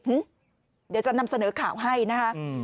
หื้อเดี๋ยวจะนำเสนอข่าวให้นะครับ